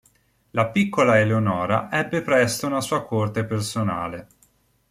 La piccola Eleonora ebbe presto una sua corte personale.